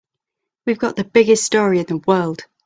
We've got the biggest story in the world.